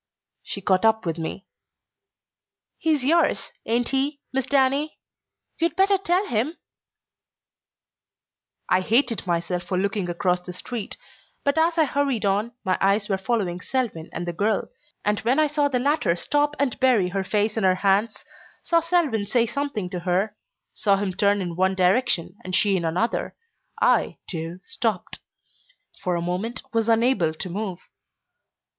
She caught up with me. "He's yours, ain't he, Miss Danny? You'd better tell him " I hated myself for looking across the street, but as I hurried on my eyes were following Selwyn and the girl, and when I saw the latter stop and bury her face in her hands, saw Selwyn say something to her, saw him turn in one direction and she in another, I, too, stopped; for a moment was unable to move.